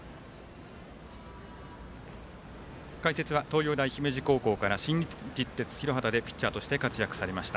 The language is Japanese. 解説は東洋大姫路高校から新日鉄広畑でピッチャーとして活躍されました